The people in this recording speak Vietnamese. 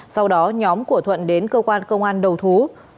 sau đó nhóm của thuận đến cơ quan công an đầu thú